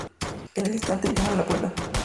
En ese instante llaman a la puerta.